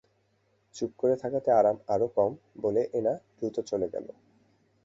চুপ করে থাকাতে আরাম আরও কম– বলে এলা দ্রুত চলে গেল।